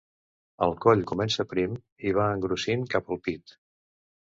El coll comença prim i va engrossint cap al pit.